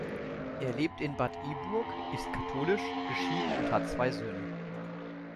Er lebt in Bad Iburg, ist katholisch, geschieden und hat zwei Söhne.